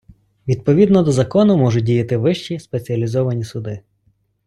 Відповідно до закону можуть діяти вищі спеціалізовані суди.